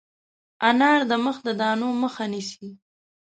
انار د مخ د دانو مخه نیسي.